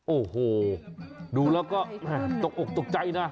โอ้โหดูแล้วก็ตกใจนะ